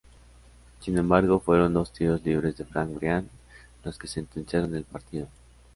Sin embargo fueron dos tiros libres de Frank Brian los que sentenciaron el partido.